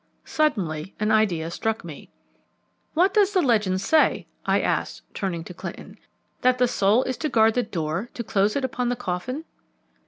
Suddenly an idea struck me. "What does the legend say?" I asked, turning to Clinton. "'That the soul is to guard the door, to close it upon the coffin?'"